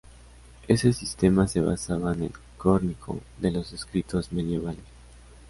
Ese sistema se basaba en el córnico de los escritos medievales.